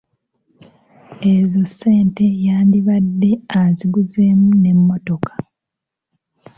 Ezo ssente yadibadde aziguzeemu n'emmotoka"